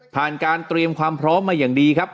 การเตรียมความพร้อมมาอย่างดีครับ